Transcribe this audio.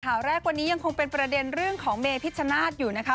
ข่าวแรกวันนี้ยังคงเป็นประเด็นเรื่องของเมพิชชนาธิ์อยู่นะคะ